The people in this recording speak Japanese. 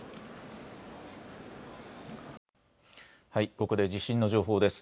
ここで地震の情報です。